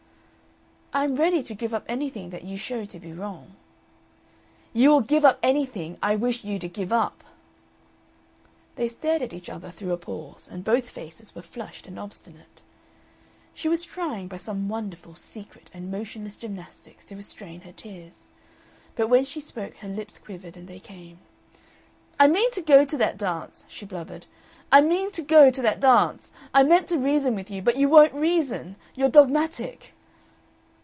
"I am ready to give up anything that you show to be wrong." "You will give up anything I wish you to give up." They stared at each other through a pause, and both faces were flushed and obstinate. She was trying by some wonderful, secret, and motionless gymnastics to restrain her tears. But when she spoke her lips quivered, and they came. "I mean to go to that dance!" she blubbered. "I mean to go to that dance! I meant to reason with you, but you won't reason. You're dogmatic."